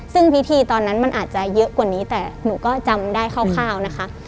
ซึ่งพิธีตอนนั้นมันอาจจะเยอะกว่านี้แต่หนูก็จำได้คร่าวนะคะ